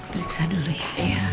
beriksa dulu ya